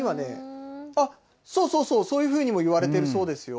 そうそうそう、そういうふうにも言われてるそうですよ。